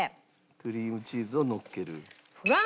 クリームチーズをのっける。